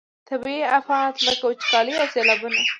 طبیعي آفات لکه وچکالي او سیلابونه.